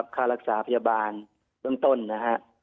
ค่ารักษาพยาบาลเบื้องต้นนะฮะ